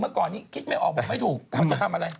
เมื่อก่อนนี้คิดไม่ออกปลูกไม่ถูก